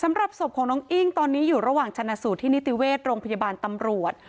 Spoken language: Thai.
สำหรับศพของน้องอิ้งตอนนี้อยู่ระหว่างชนะสูตรที่นิติเวชโรงพยาบาลตำรวจ